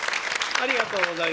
ありがとうございます。